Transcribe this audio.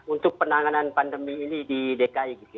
untuk penanganan pandemi ini di dki